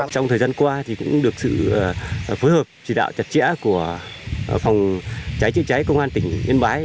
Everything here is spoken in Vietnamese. trong thời gian qua cũng được sự phối hợp chỉ đạo chặt chẽ của phòng cháy chữa cháy công an tỉnh yên bái